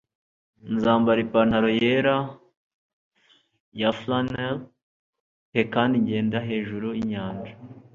Nzambara ipantaro yera ya flannel pe kandi ngenda hejuru yinyanja.